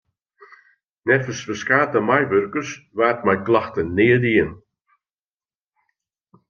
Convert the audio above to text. Neffens ferskate meiwurkers waard mei klachten neat dien.